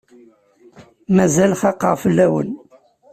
Mazal xaqeɣ fell-aken.